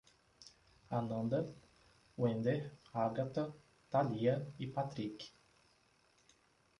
Ananda, Wender, Ágatha, Thalia e Patrik